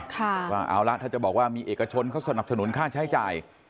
ว่าเอาละถ้าจะบอกว่ามีเอกชนเขาสนับสนุนค่าใช้จ่าย